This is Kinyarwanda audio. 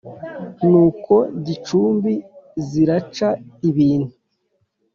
No ku gicumbi ziraca ibintu .